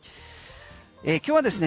今日はですね